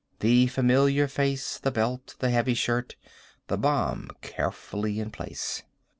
The familiar face, the belt, the heavy shirt, the bomb carefully in place.